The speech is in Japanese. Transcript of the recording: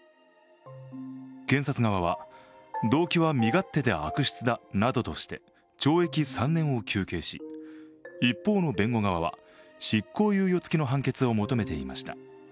検察側は、動機は身勝手で悪質だなどとして懲役３年を求刑し、一方の弁護側は執行猶予つきの判決を求めていました。